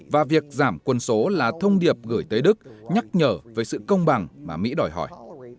và việc giảm quân số là thông điệp gửi tới đức nhắc nhở với sự công bằng mà mỹ đòi hỏi